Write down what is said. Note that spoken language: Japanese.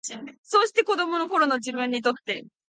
そうして、子供の頃の自分にとって、